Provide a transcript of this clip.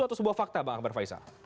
atau sebuah fakta bang akbar faisal